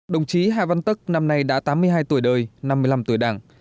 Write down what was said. đồng chí hà văn tất năm nay đã tám mươi hai tuổi đời năm mươi năm tuổi đảng